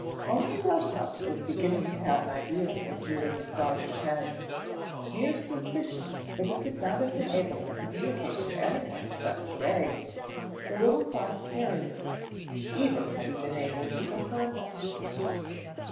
Only Rough House was beginning to have an idea or two in his doggish head, mere suspicions that he could not have been able to communicate to any one except to Rags, the little fox terrier, even had he been able to confirm them.